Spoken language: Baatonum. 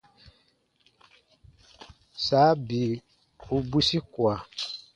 Saa bii u bwisi kua.